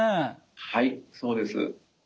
はいそうです。